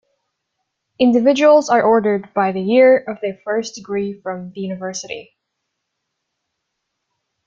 Individuals are ordered by the year of their first degree from the university.